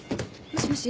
もしもし。